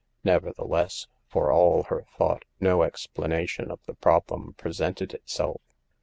Neverthe less, for all her thought no explanation of the problem presented itself.